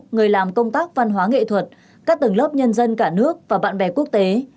người làm công tác văn hóa nghệ thuật các tầng lớp nhân dân cả nước và bạn bè quốc tế